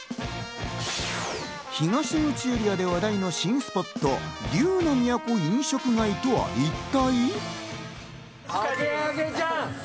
東口エリアで話題の新スポット・龍乃都飲食街とは一体？